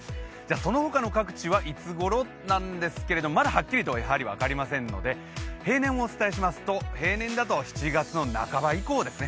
その他の各地はいつごろ？なんですけど、まだはっきりとは分かりませんので、平年をお伝えしますと平年だと７月の半ば以降ですね。